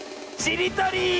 ちりとり！